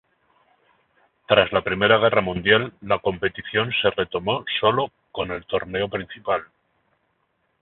Tras la Primera Guerra Mundial la competición se retomó sólo con el Torneo Principal.